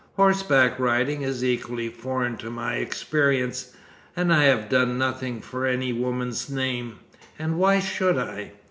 Horseback riding is equally foreign to my experience, and I have done nothing for any woman's name. And why should I?